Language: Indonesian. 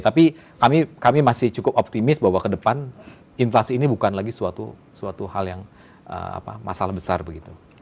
tapi kami masih cukup optimis bahwa ke depan inflasi ini bukan lagi suatu hal yang masalah besar begitu